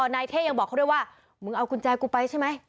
นายเท่ยังบอกเขาด้วยว่ามึงเอากุญแจกูไปใช่ไหม